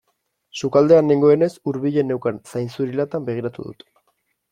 Sukaldean nengoenez hurbilen neukan zainzuri latan begiratu dut.